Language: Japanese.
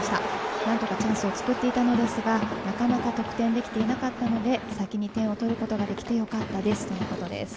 なんとかチャンスを作っていたのですがなかなか得点できていなかったので、先に点を取ることができてよかったですとのことです。